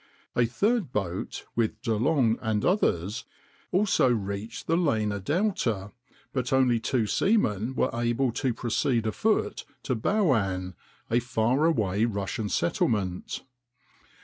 A third boat, with De Long and others, also reached the Lena delta, but only two seamen were able to proceed afoot to Bulun, a far away Russian settlement.